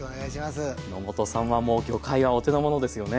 野本さんはもう魚介はお手のものですよね。